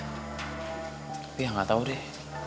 tapi ya gak tau deh